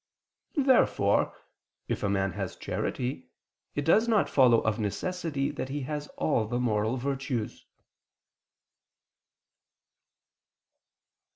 Therefore, if a man has charity, it does not follow of necessity that he has all the moral virtues.